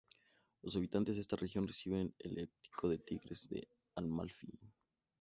Los habitantes de esta región reciben el epíteto de "tigres de Amalfi".